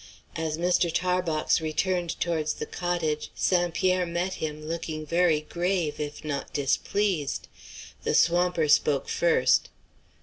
As Mr. Tarbox returned towards the cottage, St. Pierre met him, looking very grave, if not displeased. The swamper spoke first.